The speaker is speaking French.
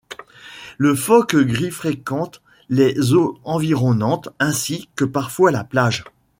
Le phoque gris fréquente les eaux environnantes ainsi que parfois la plage.